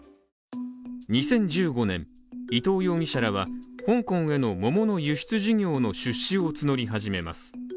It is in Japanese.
２０１５年、伊藤容疑者らは香港への桃の輸出事業の出資を募りはじめます。